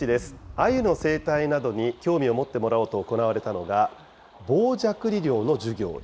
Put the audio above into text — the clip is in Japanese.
アユの生態などに興味を持ってもらおうと行われたのが、棒じゃくり漁？